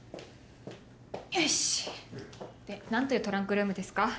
よしで何というトランクルームですか？